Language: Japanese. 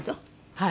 はい。